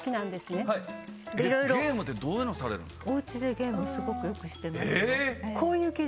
ゲームってどういうのされるんですか？